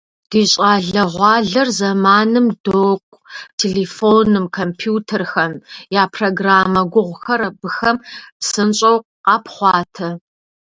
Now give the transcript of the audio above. Ди щӏалэгъуалэр зэманым докӏу - телефоным, компьютерхэм я программэ гугъухэр абыхэм псынщӏэу къапхъуатэ.